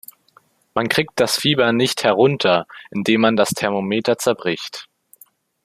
Man kriegt das Fieber nicht herunter, indem man das Thermometer zerbricht.